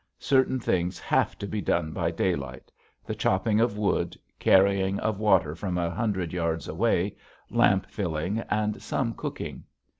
Certain things have to be done by daylight: the chopping of wood, carrying of water from a hundred yards away, lamp filling, and some cooking.